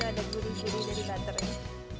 ada gurih gurih dari butternya